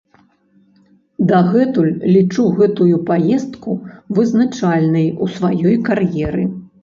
Дагэтуль лічу гэтую паездку вызначальнай у сваёй кар'еры.